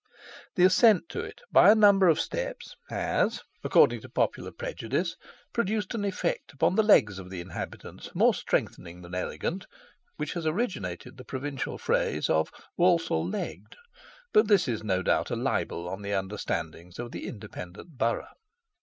The ascent to it, by a number of steps, has, according to popular prejudice, produced an effect upon the legs of the inhabitants more strengthening than elegant, which has originated the provincial phrase of "Walsall legged." But this is, no doubt, a libel on the understandings of the independent borough.